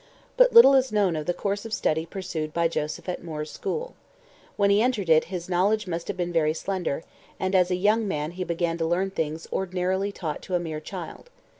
But little is known of the course of study pursued by Joseph at Moor's School. When he entered it his knowledge must have been very slender, and as a young man he began to learn things ordinarily taught to a mere child.